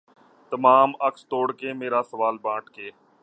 تمام عکس توڑ کے مرا سوال بانٹ کے